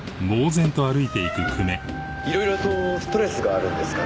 いろいろとストレスがあるんですかね。